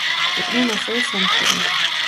იყვნენ ასევე სომხები.